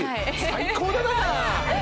最高だなあ！